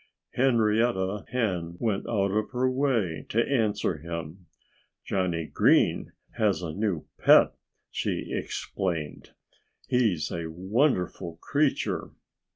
Henrietta Hen went out of her way to answer him. "Johnnie Green has a new pet," she explained. "He's a wonderful creature."